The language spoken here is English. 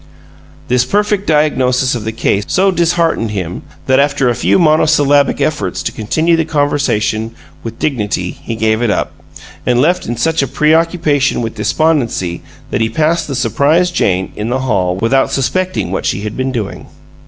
This perfect diagnosis of the case so disheartened him that after a few monosyllabic efforts to continue the conversation with dignity he gave it up, and left in such a preoccupation with despondency that he passed the surprised Jane in the hall without suspecting what she had been doing.